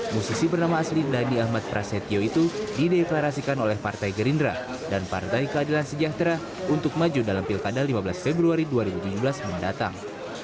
musisi bernama asli nadi ahmad prasetyo itu dideklarasikan oleh partai gerindra dan partai keadilan sejahtera untuk maju dalam pilkada lima belas februari dua ribu tujuh belas mendatang